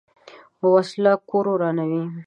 وسله کور ورانوي